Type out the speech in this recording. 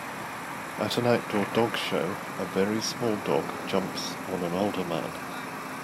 At an outdoor dog show, a very small dog jumps on an older man.